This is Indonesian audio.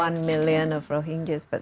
tapi tidak ada yang tepat